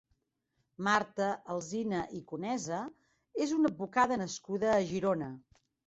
Marta Alsina i Conesa és una advocada nascuda a Girona.